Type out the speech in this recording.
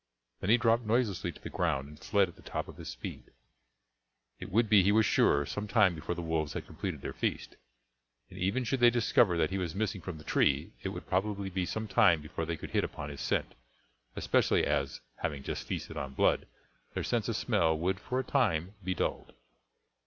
Then he dropped noiselessly to the ground and fled at the top of his speed. It would be, he was sure, some time before the wolves had completed their feast; and even should they discover that he was missing from the tree, it would probably be some time before they could hit upon his scent, especially, as, having just feasted on blood, their sense of smell would for a time be dulled.